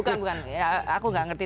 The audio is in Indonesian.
bukan bukan ya aku nggak ngerti